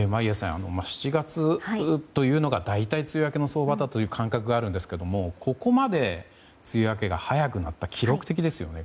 ７月というのが大体梅雨明けの相場という感覚があるんですがここまで梅雨明けが早くなったのは記録的ですよね。